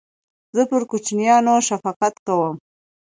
زه پر کوچنیانو شفقت کوم.